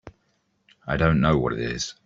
I don't know what it is.